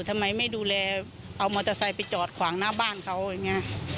ทำไมไม่ดูแลเอามอเตอร์ไซค์ไปจอดขวางหน้าบ้านเขาอย่างนี้